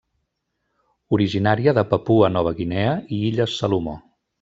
Originària de Papua Nova Guinea i Illes Salomó.